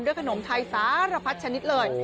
ขนมไทยสารพัดชนิดเลย